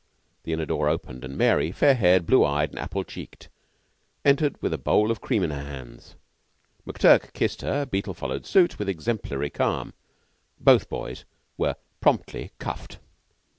The inner door opened, and Mary, fair haired, blue eyed, and apple checked, entered with a bowl of cream in her hands. McTurk kissed her. Beetle followed suit, with exemplary calm. Both boys were promptly cuffed.